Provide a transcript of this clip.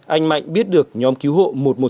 anh mạnh biết được nhóm cứu hộ một trăm một mươi một